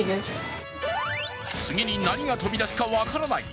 次に何が飛び出すか分からない